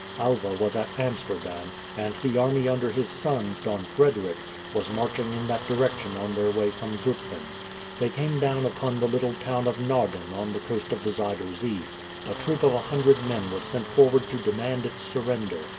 Alva was at Amsterdam, and the army under his son, Don Frederick, was marching in that direction on their way from Zutphen. They came down upon the little town of Naarden on the coast of the Zuider Zee. A troop of a hundred men was sent forward to demand its surrender.